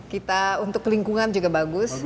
kita untuk lingkungan juga bagus